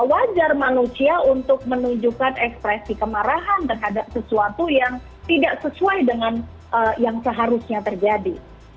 wajar manusia untuk menunjukkan ekspresi kemarahan terhadap sesuatu yang tidak sesuai dengan yang seharusnya terjadi